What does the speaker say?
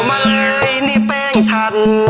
มันเลยนี่แป้งฉัน